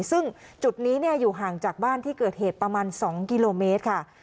ซึ่งจุดนี้อยู่ห่างจากบ้านที่เกิดเหตุประมาณ๒กิโลเมตรค่ะ